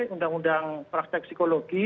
undang undang praktek psikologi